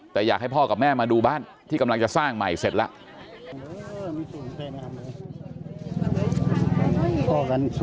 แต่อยากให้พ่อกับแม่มาดูบ้านที่กำลังจะสร้างใหม่เสร็จแล้ว